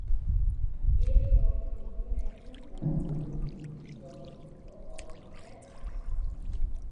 এরপর থেকে এখন পর্যন্ত দ্বীপটি জনশূন্য অবস্থায় আছে।